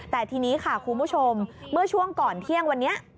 แต่ทีนี้ค่ะคุณผู้ชมเมื่อช่วงก่อนเที่ยงวันนี้